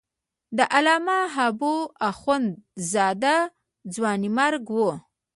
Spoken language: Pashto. د علامه حبو اخند زاده ځوانیمرګ و.